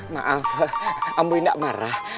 maaf mbu enggak marah